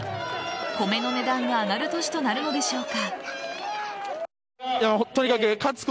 米の値段が上がる年となるのでしょうか。